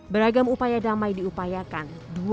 beragam upaya damai diupayakan